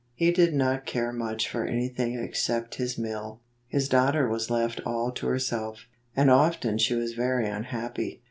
He did not care much for anything except his mill. His daughter was left all to herself, and often she was very unhappy.